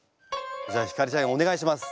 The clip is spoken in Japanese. じゃあ晃ちゃんお願いします。